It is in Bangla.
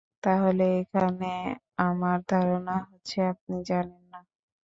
তাহলে, এখানে আমার ধারণা হচ্ছে আপনি জানেন না।